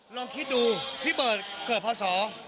ลองคิดดูพี่เบิร์ตเกิดพศ